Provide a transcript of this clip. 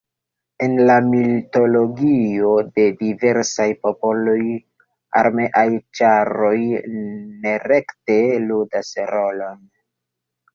En la mitologio de diversaj popoloj armeaj ĉaroj nerekte ludas rolon.